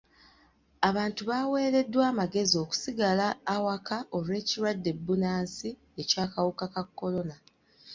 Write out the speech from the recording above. Abantu baweereddwa amagezi okusigala awaka olw'ekirwadde bbunansi eky'akawuka ka kolona.